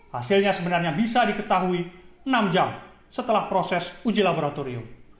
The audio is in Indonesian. hasilnya sebenarnya bisa diketahui enam jam setelah proses uji laboratorium